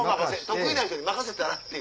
得意な人に任せたら？っていう。